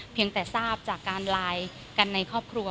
เพียงแต่ทราบจากการไลน์กันในครอบครัว